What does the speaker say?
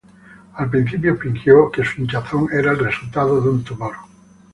Al principio fingió que su hinchazón era el resultado de un tumor.